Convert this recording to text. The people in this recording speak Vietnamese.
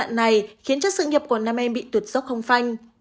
ở giai đoạn này khiến chất sự nghiệp của nam em bị tuyệt dốc không phanh